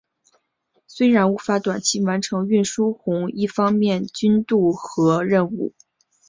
显然无法短期完成运输红一方面军渡河任务。